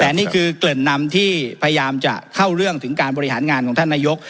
แต่นี่คือเกริ่นนำที่พยายามจะเข้าเรื่องถึงการบริหารงานของท่านนายก